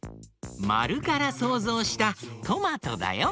まるからそうぞうしたトマトだよ。